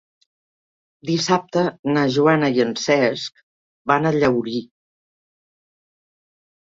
Dissabte na Joana i en Cesc van a Llaurí.